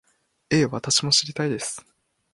ええ、私も知りたいです